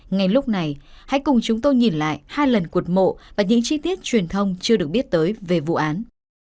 ngay lúc này hãy cùng chúng tôi nhìn lại hai lần cột mộ và những chi tiết truyền thông chưa được biết tới về vụ án